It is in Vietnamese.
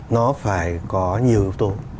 nó phải có nhiều yếu tố